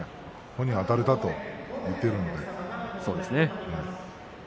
本人があたれたと言っているのでね。